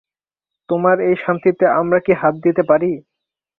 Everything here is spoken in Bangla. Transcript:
তোমার এই শান্তিতে আমরা কি হাত দিতে পারি?